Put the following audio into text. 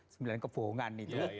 sembilan kebohongan itu